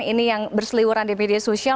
ini yang berseliwaran di media sosial